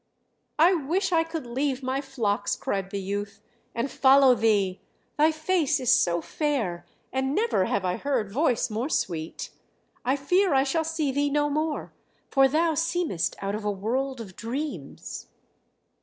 "I wish I could leave my flocks," cried the youth, "and follow thee; thy face is so fair, and never have I heard voice more sweet. I fear I shall see thee no more, for thou seemest out of a world of dreams."